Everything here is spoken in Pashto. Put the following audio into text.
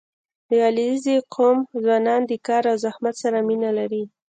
• د علیزي قوم ځوانان د کار او زحمت سره مینه لري.